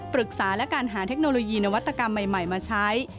ปรึกษาและการหาเทคโนโลยีนวัตกรรมใหม่มาใช้